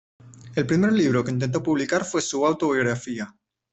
El primer libro que intentó publicar fue su autobiografía.